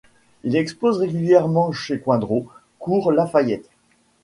Il expose régulièrement chez Coindreau, cours Lafayette.